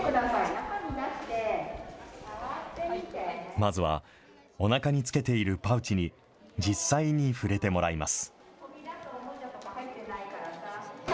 まずは、おなかにつけているパウチに実際に触れてもらいます。